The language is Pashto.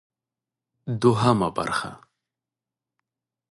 دوهمه برخه: